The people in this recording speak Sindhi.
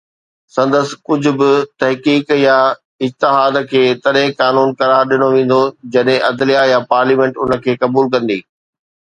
سندس ڪنهن به تحقيق يا اجتهاد کي تڏهن قانون قرار ڏنو ويندو جڏهن عدليه يا پارليامينٽ ان کي قبول ڪندي